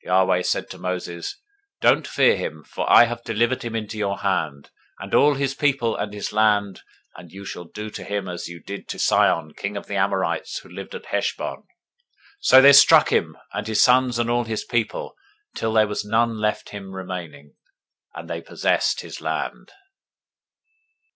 021:034 Yahweh said to Moses, Don't fear him: for I have delivered him into your hand, and all his people, and his land; and you shall do to him as you did to Sihon king of the Amorites, who lived at Heshbon. 021:035 So they struck him, and his sons and all his people, until there was none left him remaining: and they possessed his land.